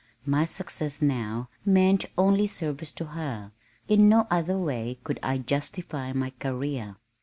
My success now meant only service to her. In no other way could I justify my career.